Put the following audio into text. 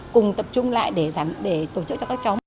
cùng tập trung lại để tổ chức cho các cháu